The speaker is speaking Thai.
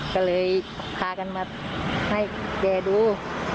ก็เลยพากันมาให้แกดู